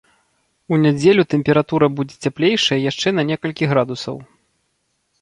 У нядзелю тэмпература будзе цяплейшая яшчэ на некалькі градусаў.